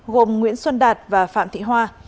gồm nguyễn xuân đạt và phạm thị hoa